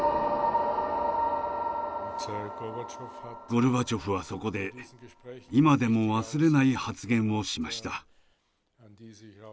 ゴルバチョフはそこで今でも忘れない発言をしました。